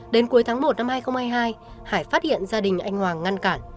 đến cuối tháng một năm hai nghìn hai mươi hai hải phát hiện gia đình anh hoàng ngăn cản